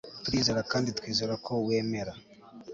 Turizera kandi twizera ko wemera